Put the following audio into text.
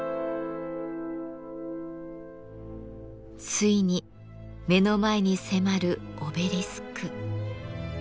ついに目の前に迫るオベリスク。